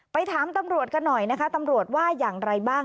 ถามตำรวจกันหน่อยนะคะตำรวจว่าอย่างไรบ้าง